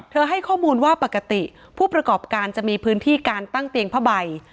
ให้ข้อมูลว่าปกติผู้ประกอบการจะมีพื้นที่การตั้งเตียงผ้าใบ